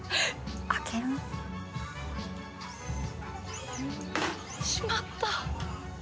開ける？しまった。